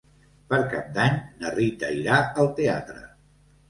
Per Cap d'Any na Rita irà al teatre.